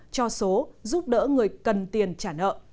cho số giúp đỡ người cần tiền trả nợ